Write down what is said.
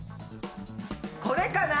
これかな？